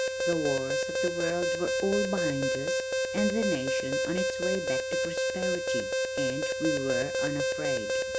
The wars of the world were all behind us and the nation on its way back to prosperity and we were unafraid.